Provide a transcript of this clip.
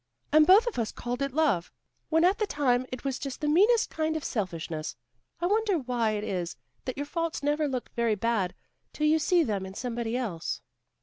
And both of us called it love, when all the time it was just the meanest kind of selfishness. I wonder why it is that your faults never look very bad till you see them in somebody else."